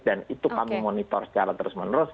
dan itu kami monitor secara terus menerus